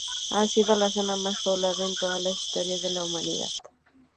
Ha sido la zona más poblada en toda la historia de la humanidad.